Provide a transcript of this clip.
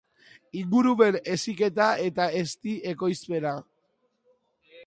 Ingurumen heziketa eta ezti ekoizpena.